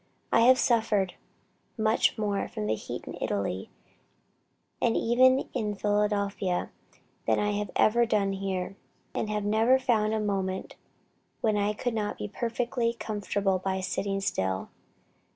I have suffered much more from heat in Italy, and even in Philadelphia, than I have ever done here; and have never found a moment when I could not be perfectly comfortable by sitting still.